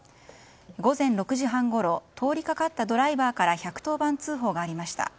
午前６時半ごろ通りかかったドライバーから１１０番通報がありました。